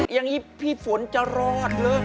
อย่างนี้พี่ฝนจะรอดเลย